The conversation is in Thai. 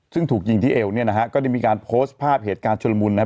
ซึ่งถูกยิงที่เอวเนี่ยนะฮะก็ได้มีการโพสต์ภาพเหตุการณ์ชุลมุนนะครับ